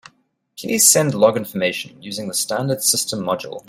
Please send log information using the standard system module.